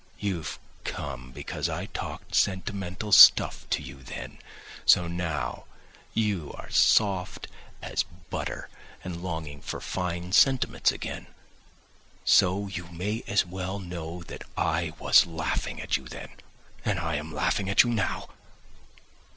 You've come because I talked sentimental stuff to you then. So now you are soft as butter and longing for fine sentiments again. So you may as well know that I was laughing at you then. And I am laughing at you now.